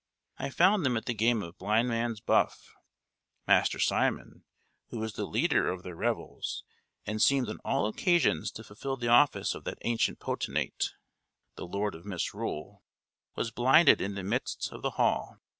I found them at the game of blind man's buff. Master Simon, who was the leader of their revels, and seemed on all occasions to fulfil the office of that ancient potentate, the Lord of Misrule,[N] was blinded in the midst of the hall.